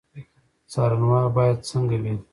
څارنوال باید څنګه وي؟